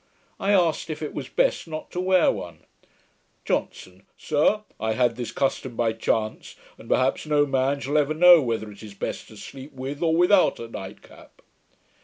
I asked, if it was best not to wear one. JOHNSON. 'Sir, I had this custom by chance, and perhaps no man shall ever know whether it is best to sleep with or without a night cap.'